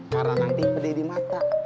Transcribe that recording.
karena nanti pedih di mata